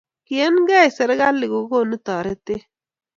kiienkei serkali kokonu toretee